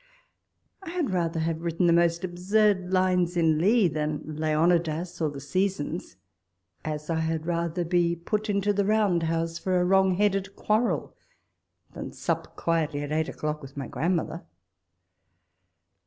I had rather have written the most absurd lines in Lee, than '' Lconidas " or " The Seasons "; as I had rather be put into the round house for a wrong headed quarrel, than sup quietly at eight o'clock with my grand mother.